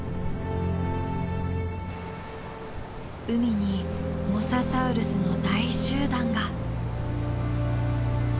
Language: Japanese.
海にモササウルスの大集団が。